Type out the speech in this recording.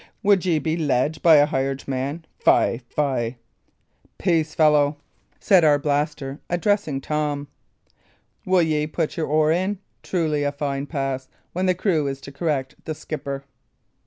"Would ye be led by a hired man? Fy, fy!" "Peace, fellow!" said Arblaster, addressing Tom. "Will ye put your oar in? Truly a fine pass, when the crew is to correct the skipper!"